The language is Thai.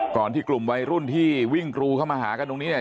ที่กลุ่มวัยรุ่นที่วิ่งกรูเข้ามาหากันตรงนี้เนี่ย